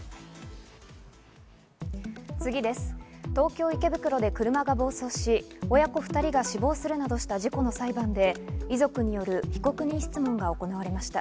東京・池袋で車が暴走し、親子２人が死亡するなどした事故の裁判で遺族による被告人質問が行われました。